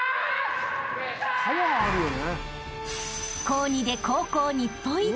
［高２で高校日本一］